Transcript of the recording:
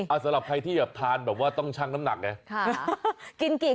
สำหรับใครที่แบบทานแบบว่าต้องชั่งน้ำหนักไง